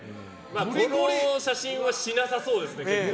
この写真はしなさそうですね、結婚。